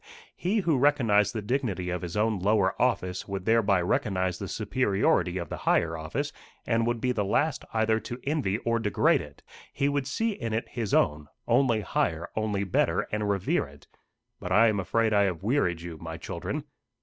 He who recognised the dignity of his own lower office, would thereby recognise the superiority of the higher office, and would be the last either to envy or degrade it. He would see in it his own only higher, only better, and revere it. But I am afraid I have wearied you, my children."